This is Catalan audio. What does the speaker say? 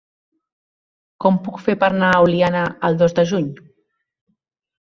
Com ho puc fer per anar a Oliana el dos de juny?